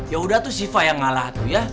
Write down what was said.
yaudah tuh siva yang ngalah tuh ya